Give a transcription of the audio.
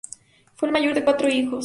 Fue el mayor de cuatro hijos.